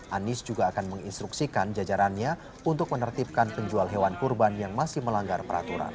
anies juga akan menginstruksikan jajarannya untuk menertibkan penjual hewan kurban yang masih melanggar peraturan